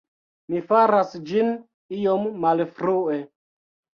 Mi faras ĝin iom malfrue.